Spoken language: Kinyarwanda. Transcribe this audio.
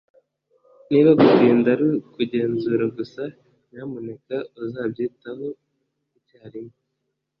niba gutinda ari ukugenzura gusa, nyamuneka uzabyitaho icyarimwe